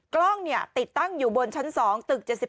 กล้องติดตั้งอยู่บนชั้น๒ตึก๗๘